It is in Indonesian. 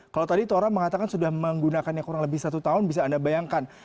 kalau tadi tora mengatakan sudah menggunakannya kurang lebih satu tahun bisa anda bayangkan